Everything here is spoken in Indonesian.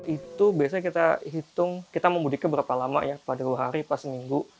itu biasanya kita hitung kita memudiknya berapa lama ya pada dua hari pas seminggu